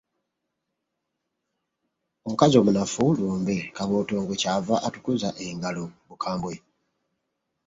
Omukazi omunafu lumbe, Kabootongo, Kyava atukuza engalo, Bukambwe.